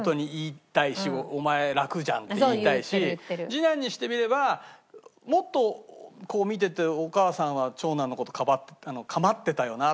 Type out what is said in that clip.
次男にしてみればもっとこう見ててお母さんは長男の事構ってたよなと。